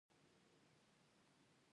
هندي ملي کانګریس ګوند جوړ شو.